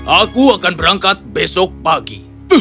aku akan berangkat besok pagi